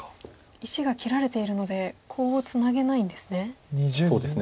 石が切られているのでコウをツナげないんですね。